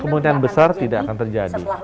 kemungkinan besar tidak akan terjadi